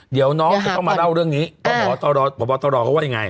เดี๋ยวน้องก็ต้องมาเล่าเรื่องนี้บ่บอตรเขาว่าอย่างไร